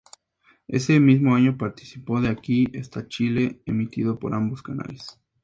Ese mismo año participó de "Aquí está Chile", emitido por ambos canales.